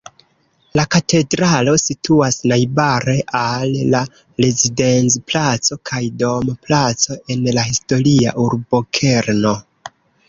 La katedralo situas najbare al la Rezidenz-placo kaj Dom-placo en la historia urbokerno.